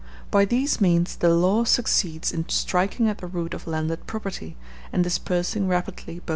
By these means the law succeeds in striking at the root of landed property, and dispersing rapidly both families and fortunes.